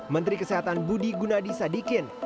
menteri kesehatan budi gunadi sadikin